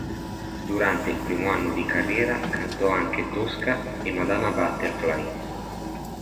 Durante il primo anno di carriera cantò anche "Tosca" e "Madama Butterfly".